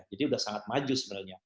jadi sudah sangat maju sebenarnya